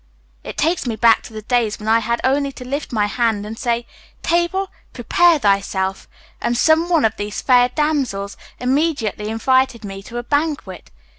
"It takes me back to the days when I had only to lift my hand and say, 'Table, prepare thyself,' and some one of these fair damsels immediately invited me to a banquet.